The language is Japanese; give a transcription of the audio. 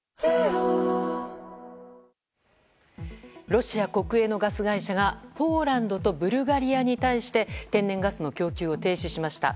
ロシア国営のガス会社がポーランドとブルガリアに対して天然ガスの供給を停止しました。